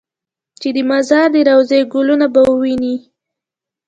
چې د مزار د روضې ګلونه به ووینې.